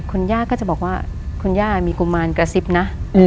คุณย่าก็จะบอกว่าคุณย่ามีกุมารกระซิบนะ